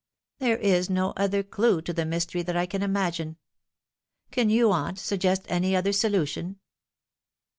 There is no other clue to the mystery that I can imagine. Can you, aunt, suggest any other solution